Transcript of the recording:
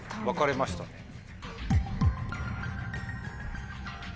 分かれましたね。